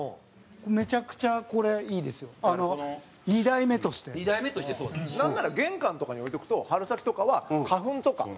めちゃくちゃ、これいいですよ、２台目として。土田：なんなら玄関とかに置いておくと春先とかは、花粉とか。